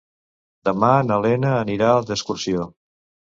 Demà na Lena anirà d'excursió.